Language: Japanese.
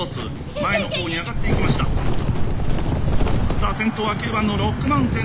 さあ先頭は９番のロックマウンテン。